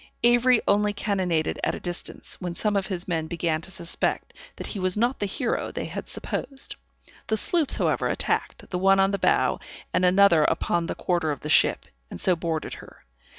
Avery only cannonaded at a distance, when some of his men began to suspect that he was not the hero they had supposed. The sloops, however attacked, the one on the bow, and another upon the quarter of the ship, and so boarded her.